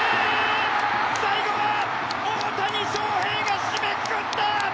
最後は大谷翔平が締めくくった！